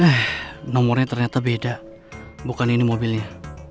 eh nomornya ternyata beda bukan ini mobilnya